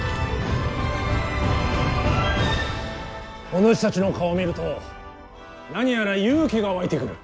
おぬしたちの顔を見ると何やら勇気が湧いてくる。